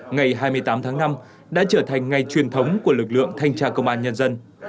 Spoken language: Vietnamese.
ngày hai mươi tám tháng năm đã trở thành ngày truyền thống của lực lượng thanh tra công an nhân dân